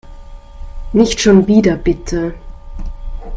Nicht schon wieder, bitte.